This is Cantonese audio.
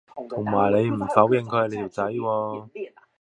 同埋你唔否認佢係你條仔喎